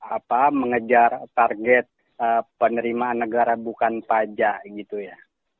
apa mengejar target penerimaan negara bukan pajak gitu ya